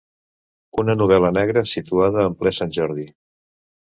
Una novel·la negra situada en ple Sant Jordi.